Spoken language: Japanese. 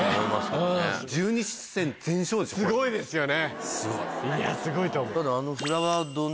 すごいですよね。